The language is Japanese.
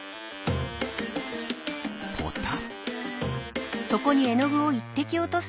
ポタ。